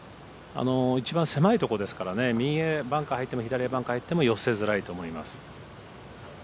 一番狭いところですから右へバンカー入っても左へバンカー入っても寄せづらいと思います。